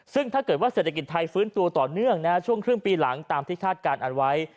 ซึ่งถ้าเกิดว่าเศรษฐกิจไทยฟื้นตัวต่อเนื่องช่วงครึ่งปีหลังตามที่คาดการณ์เอาไว้